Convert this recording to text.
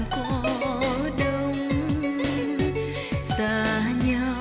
chân trời miền hà